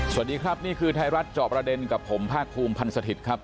สวัสดีครับนี่คือไทยรัฐจอบประเด็นกับผมภาคภูมิพันธ์สถิตย์ครับ